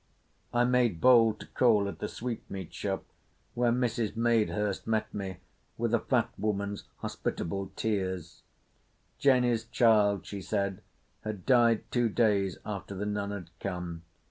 I made bold to call at the sweetmeat shop, where Mrs. Madehurst met me with a fat woman's hospitable tears. Jenny's child, she said, had died two days after the nun had come.